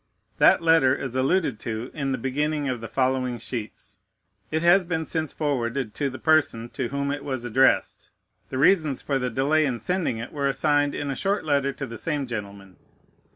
That letter is alluded to in the beginning of the following sheets. It has been since forwarded to the person to whom it was addressed. The reasons for the delay in sending it were assigned in a short letter to the same gentleman.